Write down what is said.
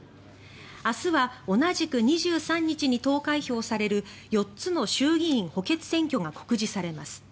明日は同じく２３日に投開票される４つの衆議院補欠選挙が告示されます。